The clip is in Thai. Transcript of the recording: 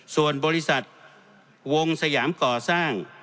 ส่วนบริษัทวงสยามก่อสร้าง